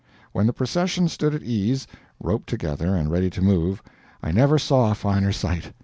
When the procession stood at ease, roped together, and ready to move, I never saw a finer sight.